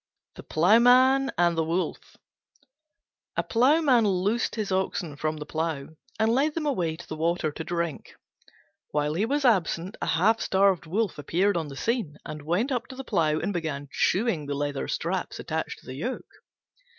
THE PLOUGHMAN AND THE WOLF A Ploughman loosed his oxen from the plough, and led them away to the water to drink. While he was absent a half starved Wolf appeared on the scene, and went up to the plough and began chewing the leather straps attached to the yoke.